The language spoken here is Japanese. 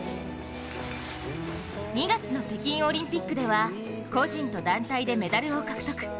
２月の北京オリンピックでは個人と団体でメダルを獲得。